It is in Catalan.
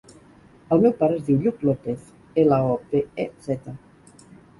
El meu pare es diu Lluc Lopez: ela, o, pe, e, zeta.